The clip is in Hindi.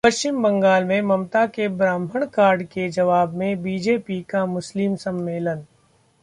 पश्चिम बंगाल में ममता के ब्राह्मण कार्ड के जवाब में बीजेपी का मुस्लिम सम्मेलन